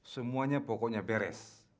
semuanya pokoknya beres